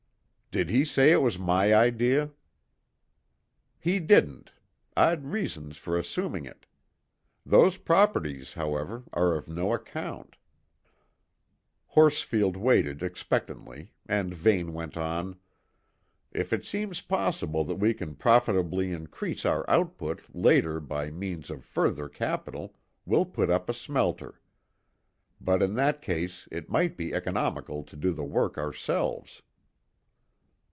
"Did he say it was my idea?" "He didn't: I'd reasons for assuming it. Those properties, however, are of no account." Horsfield waited expectantly, and Vane went on: "If it seems possible that we can profitably increase our output later by means of further capital, we'll put up a smelter. But in that case it might be economical to do the work ourselves."